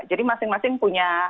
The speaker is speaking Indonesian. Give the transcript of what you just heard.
jadi masing masing punya